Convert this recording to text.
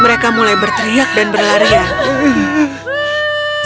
mereka mulai berteriak dan berlarian